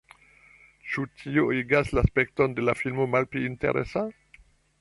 Ĉu tio igas la spekton de la filmo malpli interesa?